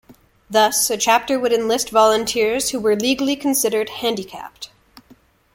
Thus, a chapter could enlist volunteers who were legally considered handicapped.